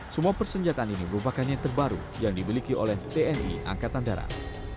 semua persenjataan ini merupakan yang terbaru yang dimiliki oleh tni angkatan darat